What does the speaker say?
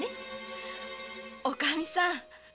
おかみさん！